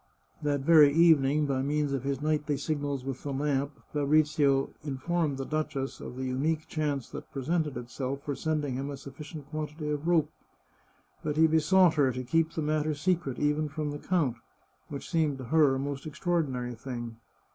That very evening, by means of his nightly signals with the lamp, Fabrizio informed the duchess of the unique chance that presented itself for sending him a sufficient quantity of rope. But he besought her to keep the matter secret, even from the count, which seemed to her a most extraordinary thing.